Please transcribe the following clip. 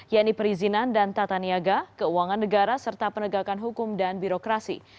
yaitu perizinan dan tata niaga keuangan negara serta penegakan hukum dan birokrasi